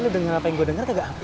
lo denger apa yang gue denger nggak